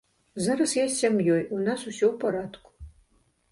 Зараз я з сям'ёй, у нас усё ў парадку.